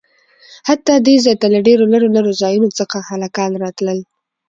حتا د ځاى ته له ډېرو لرو لرو ځايونه څخه هلکان راتلل.